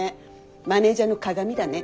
マネージャーの鑑だね。